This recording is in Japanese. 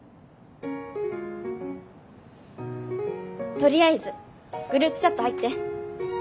とりあえずグループチャット入って。は？